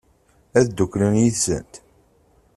Ad dduklen yid-sent?